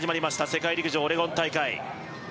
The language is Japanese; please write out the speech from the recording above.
世界陸上オレゴン大会。